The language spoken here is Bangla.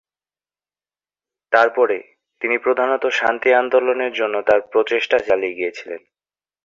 তারপরে, তিনি প্রধানত শান্তি আন্দোলনের জন্য তার প্রচেষ্টা চালিয়ে গিয়েছিলেন।